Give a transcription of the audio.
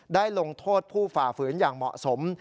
ลงโทษผู้ฝ่าฝืนอย่างเหมาะสม